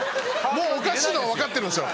もうおかしいのは分かってるんですよ。